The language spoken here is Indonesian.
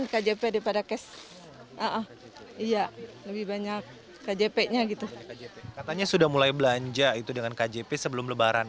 kjp daripada kes iya lebih banyak kjp nya gitu kjp katanya sudah mulai belanja itu dengan kjp sebelum lebaran